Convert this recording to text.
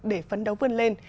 để phấn đấu vươn lên